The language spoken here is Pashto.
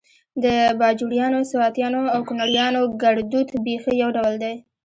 د باجوړیانو، سواتیانو او کونړیانو ګړدود بیخي يو ډول دی